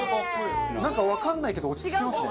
なんかわかんないけど落ち着きますね。